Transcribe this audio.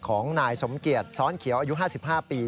ของนายสมเกียจซ้อนเขียวอายุ๕๕ปี